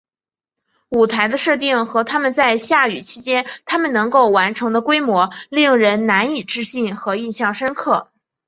舞台的设定和他们在下雨期间他们能够完成的规模令人难以置信和印象深刻。